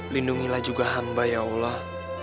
lindungilah juga hamba ya allah